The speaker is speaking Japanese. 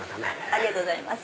ありがとうございます。